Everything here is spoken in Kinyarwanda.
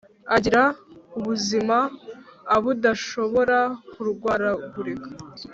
agira ubuzima a budashobora kurwaragurika